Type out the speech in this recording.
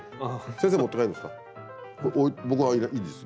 先生持って帰るんですか？